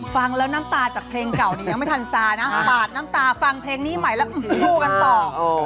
ฟังแล้วน้ำตาจากเพลงเก่าถลักไม่ทันทราฟังเพลงนี้ใหม่แล้วยื่อกันต่อ